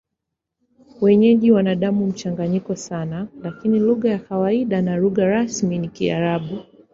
Wenyeji wana damu mchanganyiko sana, lakini lugha ya kawaida na lugha rasmi ni Kiarabu.